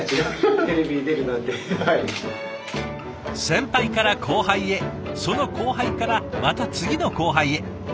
先輩から後輩へその後輩からまた次の後輩へ。